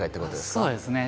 そうですね。